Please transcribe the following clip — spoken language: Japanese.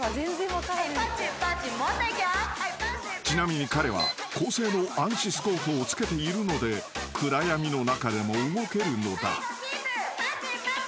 ［ちなみに彼は高性能暗視スコープをつけているので暗闇の中でも動けるのだ］